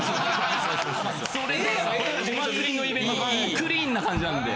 ・クリーンな感じなんで。